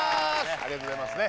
ありがとうございますね